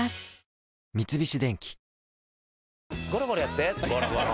三菱電機